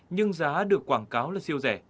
nhưng giá được quảng cáo là siêu rẻ